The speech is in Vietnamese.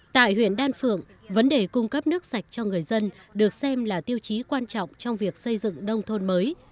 tại huyện đan phượng vấn đề cung cấp nước sạch cho người dân được xem là tiêu chí quan trọng trong việc xây dựng nông thôn mới